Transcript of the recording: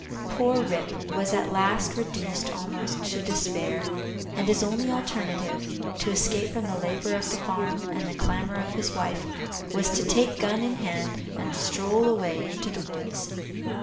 Poor Rip was at last reduced almost to despair; and his only alternative, to escape from the labor of the farm and the clamor of his wife, was to take gun in hand, and stroll away into the woods.